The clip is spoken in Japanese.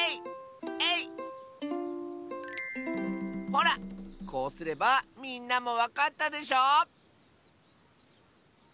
ほらこうすればみんなもわかったでしょ？